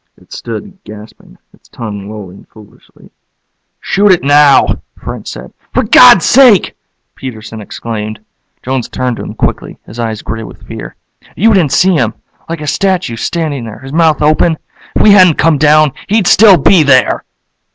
It stood, gasping, its tongue lolling foolishly. "Shoot it now," French said. "For God's sake!" Peterson exclaimed. Jones turned to him quickly, his eyes gray with fear. "You didn't see him like a statue, standing there, his mouth open. If we hadn't come down, he'd still be there."